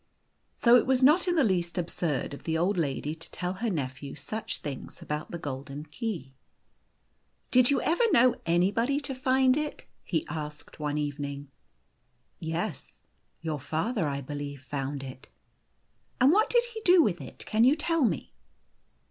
So it was not in the least absurd of the old lady to tell her nephew such things about the golden key. "Did you ever know anybody to find it ?" he asked, one evening. " Yes. Your father, I believe, found it." " And what did he do with it, can you tell me